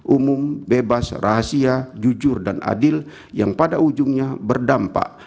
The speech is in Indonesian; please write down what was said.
umum bebas rahasia jujur dan adil yang pada ujungnya berdampak